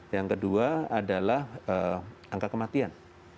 yang kedua adalah angka kematian